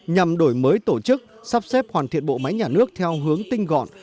nhằm đổi mới tổ chức sắp xếp hoàn thiện bộ máy nhà nước theo hướng tinh gọn